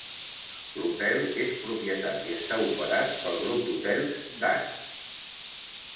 L'hotel és propietat i està operat pel grup d'hotels Dan.